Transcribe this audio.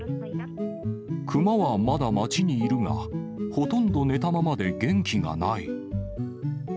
クマはまだ町にいるが、ほとんど寝たままで元気がない。